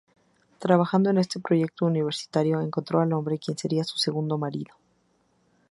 Trabajando en este proyecto universitario, encontró al hombre quien sería su segundo marido.